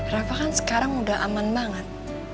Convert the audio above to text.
rafa kan sekarang udah aman banget